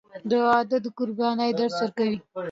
• واده د قربانۍ درس ورکوي.